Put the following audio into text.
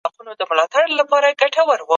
الحمدلله چي دغسي بازخواست کوونکی حاکميت لرو!